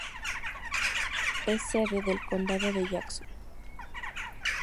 Es sede del condado de Jackson.